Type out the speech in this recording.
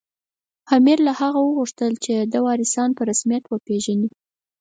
امیر له هغه وغوښتل چې د ده وارثان په رسمیت وپېژني.